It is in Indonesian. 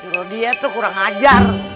rodia tuh kurang ajar